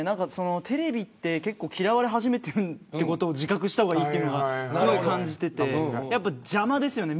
テレビって嫌われ始めていることを自覚した方がいいというのは感じていてやっぱり邪魔ですよね